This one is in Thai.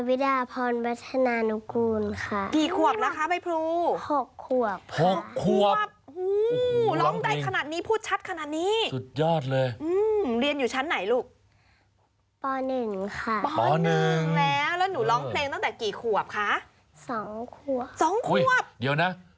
และนิ้วร้องเพลงตั้งแต่กี่ขวบ